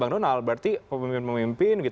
bank donal berarti pemimpin pemimpin